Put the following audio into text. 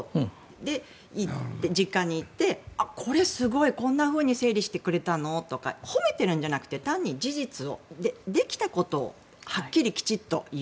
で、実家に行ってこれ、すごい！こんなふうに整理してくれたのとか褒めてるんじゃなくて単に事実を、できたことをはっきり、きちんと言う。